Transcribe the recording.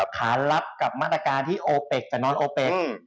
ขาลับกับมาตรการที่โอเปกจุดสูงสุด